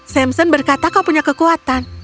samson berkata kau punya kekuatan